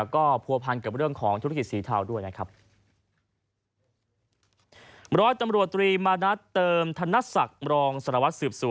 ก็ผัวพันกับเรื่องของธุรกิจสีเทาด้วยนะครับ